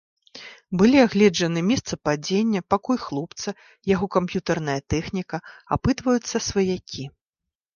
Былі агледжаны месца падзення, пакой хлопца, яго камп'ютарная тэхніка, апытваюцца сваякі.